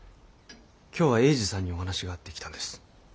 今日は英治さんにお話があって来たんです。